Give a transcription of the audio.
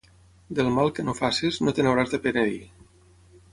Del mal que no facis, no te n'hauràs de penedir.